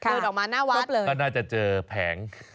ตื่นออกมาหน้าวัดก็น่าจะเจอแผง